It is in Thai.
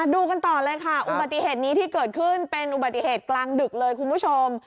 ดูกันต่อเลยค่ะอุบัติเหตุนี้ที่เกิดขึ้นเป็นอุบัติเหตุกลางดึกเลยคุณผู้ชม